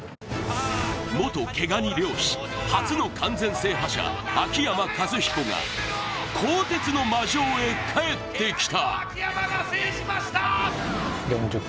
元毛ガニ漁師、初の完全制覇者、秋山和彦が鋼鉄の魔城へ帰ってきた。